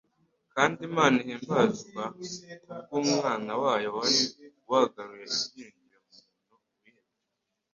kandi Imana ihimbazwa ku bw'Umwana wayo wari wagaruye ibyiringiro mu muntu wihebye,